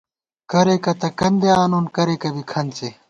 کرِیَکہ تہ کندے آنون ، کریَکہ بی کھنڅے